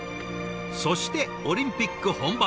そしてオリンピック本番。